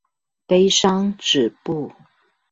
悲傷止步